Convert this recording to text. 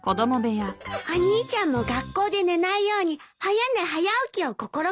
お兄ちゃんも学校で寝ないように早寝早起きを心掛けたら？